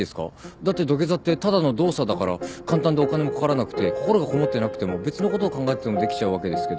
だって土下座ってただの動作だから簡単でお金もかからなくて心がこもってなくても別のこと考えててもできちゃうわけですけど。